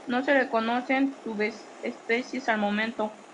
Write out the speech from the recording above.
No se reconocen subespecies al momento.